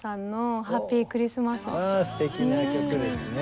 あすてきな曲ですね。